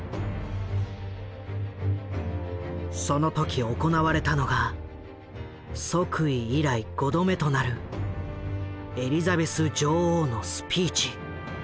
その時行われたのが即位以来５度目となるエリザベス女王のスピーチ。